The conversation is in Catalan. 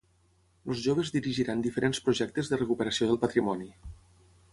Els joves dirigiran diferents projectes de recuperació del patrimoni.